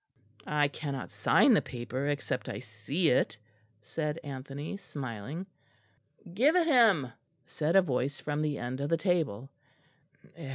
"I cannot sign the paper except I see it," said Anthony, smiling. "Give it him," said a voice from the end of the table.